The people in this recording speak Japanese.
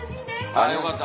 あっよかった。